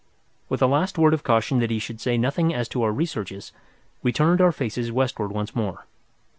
With a last word of caution that he should say nothing as to our researches, we turned our faces westward once more.